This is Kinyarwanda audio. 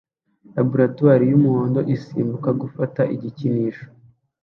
Laboratoire y'umuhondo isimbuka gufata igikinisho